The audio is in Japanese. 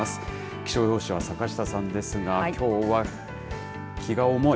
気象予報士は坂下さんですがきょうは気が重い。